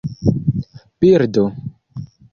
birdo